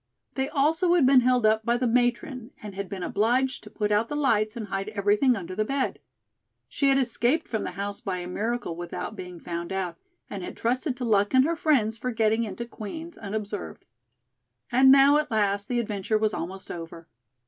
They also had been held up by the matron, and had been obliged to put out the lights and hide everything under the bed. She had escaped from the house by a miracle without being found out, and had trusted to luck and her friends for getting into Queen's unobserved. And now, at last, the adventure was almost over.